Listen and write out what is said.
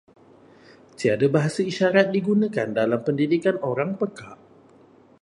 Tiada bahasa isyarat digunakan dalam pendidikan orang pekak.